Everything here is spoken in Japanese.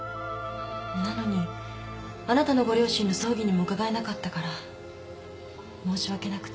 なのにあなたのご両親の葬儀にも伺えなかったから申し訳なくて。